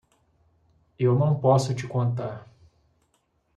Eu não posso te contar.